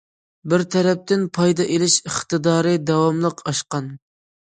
بىر تەرەپتىن، پايدا ئېلىش ئىقتىدارى داۋاملىق ئاشقان.